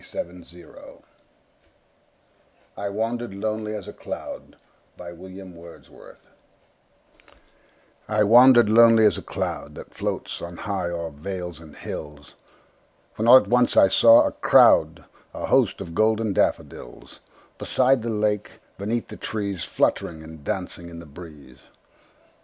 William Wordsworth I Wandered Lonely As a Cloud I WANDERED lonely as a cloud That floats on high o'er vales and hills, When all at once I saw a crowd, A host, of golden daffodils; Beside the lake, beneath the trees, Fluttering and dancing in the breeze.